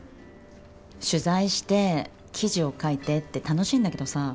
取材して記事を書いてって楽しいんだけどさ